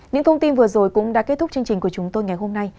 những thông tin vừa rồi cũng đã kết thúc chương trình của chúng tôi ngày hôm nay